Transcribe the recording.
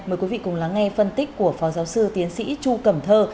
mời quý vị cùng lắng nghe phân tích của phó giáo sư tiến sĩ chu cẩm thơ